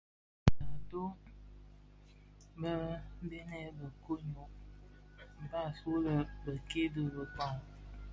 Gom inèn bë taatoh bë bënèn, bë nyokon (Bafia) mbas wu lè bekke dhi bëkpag,